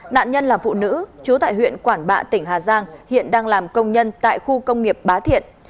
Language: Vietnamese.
nạn nhân là phụ nữ chú tại huyện quản bạ tỉnh hà giang hiện đang làm công nhân tại khu công nghiệp bá thiện